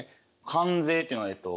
関税っていうのはえっと